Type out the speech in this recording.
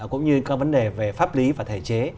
cũng như các vấn đề về pháp lý và thể chế